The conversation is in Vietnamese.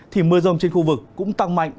thì mưa rông trên khu vực cũng tăng mạnh